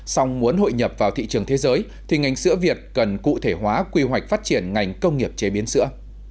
xong muốn hội nhập vào thị trường thế giới thì ngành sữa việt cần cụ thể hóa quy hoạch phát triển ngành công nghiệp chế biến sữa